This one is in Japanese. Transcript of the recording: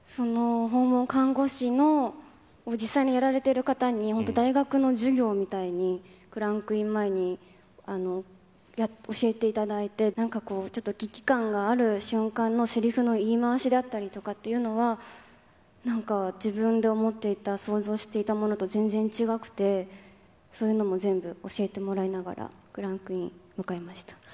訪問看護師の実際にやられている方に本当、大学の授業みたいにクランクイン前に教えていただいて、なんかこう、ちょっと危機感がある瞬間のせりふの言い回しだったりとかというのは、なんか、自分で思っていた、想像していたものと全然違くて、そういうのも全部教えてもらいながら、クランクイン迎えました。